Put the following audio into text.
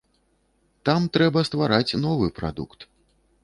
Там трэба ствараць новы прадукт.